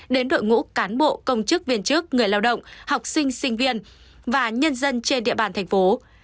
đến đội ngũ cán bộ công chức viên chức người lao động học sinh sinh viên và nhân dân trên địa bàn thành phố